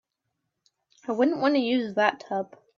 I wouldn't want to use that tub.